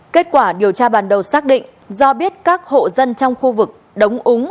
kết quả điều tra bàn đầu xác định do biết các hộ dân trong khu vực đống úng